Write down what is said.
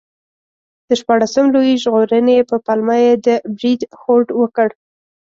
د شپاړسم لویي ژغورنې په پلمه یې د برید هوډ وکړ.